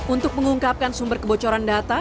untuk mengungkapkan sumber kebocoran data